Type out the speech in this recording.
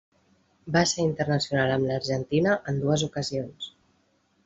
Va ser internacional amb l'Argentina en dues ocasions.